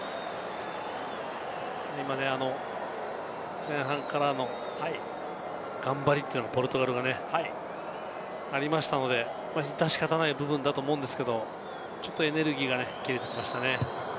今、前半からの頑張りというのはポルトガルはありましたので、致し方ない部分ではあると思うんですけれども、ちょっとエネルギーが切れてきましたね。